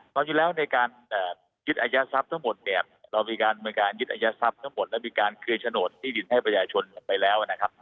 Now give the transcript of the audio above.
จริงแล้วในการยึดอายัดทรัพย์ทั้งหมดเนี่ยเรามีการบริการยึดอายัดทรัพย์ทั้งหมดและมีการเคลียร์โฉนดที่ดินให้ประชาชนไปแล้วนะครับ